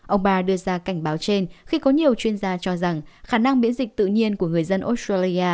ông ba đưa ra cảnh báo trên khi có nhiều chuyên gia cho rằng khả năng miễn dịch tự nhiên của người dân australia